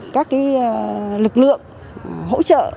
các lực lượng hỗ trợ